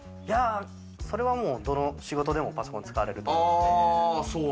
それはどの仕事でもパソコン使われると思うので。